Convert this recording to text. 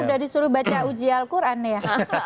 belum apa apa udah disuruh baca ujian al quran ya